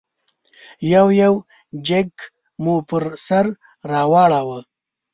یو یو جېک مو پر سر واړاوه.